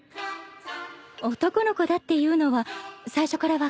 男の子だっていうのは最初から分かってたの。